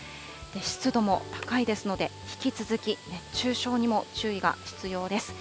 湿度も高いですので、引き続き熱中症にも注意が必要です。